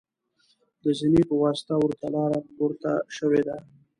د زینې په واسطه ورته لاره پورته شوې ده.